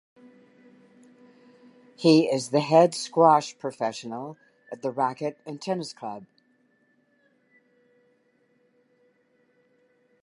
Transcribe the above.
He is the head squash professional at the Racquet and Tennis Club.